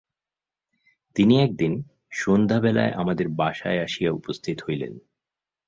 তিনি একদিন সন্ধ্যাবেলায় আমাদের বাসায় আসিয়া উপস্থিত হইলেন।